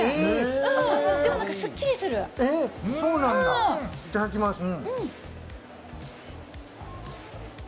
いただきます。